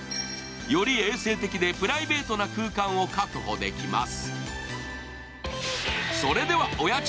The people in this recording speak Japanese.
より衛生的でプライベートな空間を確保できます。